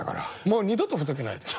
もう二度とふざけないで。